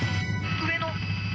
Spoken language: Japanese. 上の。